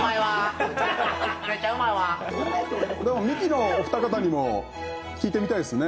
ミキのお二方にも聞いてみたいですね。